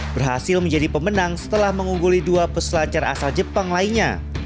berhasil menjadi pemenang setelah mengungguli dua peselancar asal jepang lainnya